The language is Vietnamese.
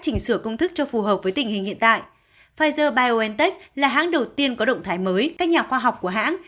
giải quyết hiện tại pfizer biontech là hãng đầu tiên có động thái mới các nhà khoa học của hãng